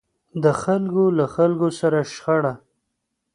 د خلکو له خلکو سره شخړه.